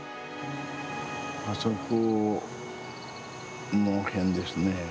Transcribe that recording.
あそこの辺ですね。